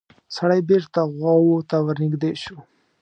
سړی بېرته غواوو ته ورنږدې شو.